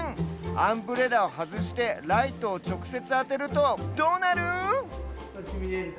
アンブレラをはずしてライトをちょくせつあてるとどうなる？